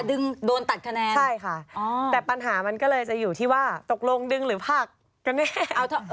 ดึงโดนตัดคะแนนใช่ค่ะแต่ปัญหามันก็เลยจะอยู่ที่ว่าตกลงดึงหรือภาคกันแน่